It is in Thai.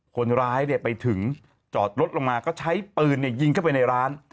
คนร้ายไปถึงจอดรถลงมาก็ใช้ปืนยิงเข้าไปในร้าน